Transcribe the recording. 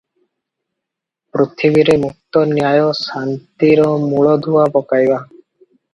ପୃଥିବୀରେ ମୁକ୍ତ, ନ୍ୟାୟ ଓ ଶାନ୍ତିର ମୂଳଦୁଆ ପକାଇବା ।